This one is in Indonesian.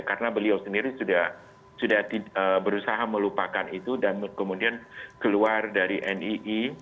karena beliau sendiri sudah berusaha melupakan itu dan kemudian keluar dari nii